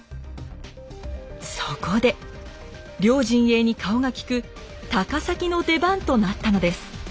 そこで両陣営に顔が利く高碕の出番となったのです。